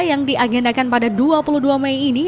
yang diagendakan pada dua puluh dua mei ini